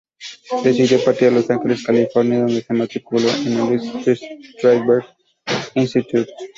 Decidió partir a Los Ángeles, California, donde se matriculó en el Lee Strasberg Institute.